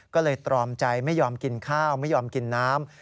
ก็เลยตรอมใจไม่ยอมกินข้าวไม่ยอมกินน้ำ